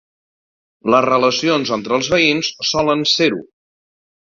Les relacions entre veïns solen ser-ho.